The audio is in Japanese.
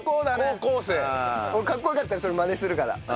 かっこよかったらそれマネするから。